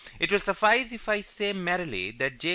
It will suffice if I say merely that J.